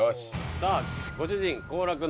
さあご主人幸楽の